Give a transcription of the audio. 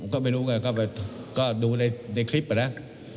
ก็ไม่รู้ไงก็ดูในคลิปอะนะ